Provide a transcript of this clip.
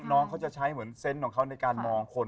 น้องเขาจะใช้เหมือนเซนต์ของเขาในการมองคน